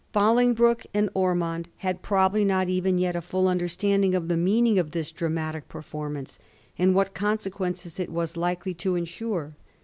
Bolingbroke and Ormond had probably not even yet a full understanding of the meaning of this dramatic performance, and what consequences it was likely to ensure.